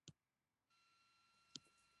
ما وويل زه هېڅ څوک نه لرم.